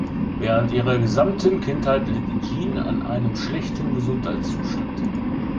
Während ihrer gesamten Kindheit litt Jean an einem schlechten Gesundheitszustand.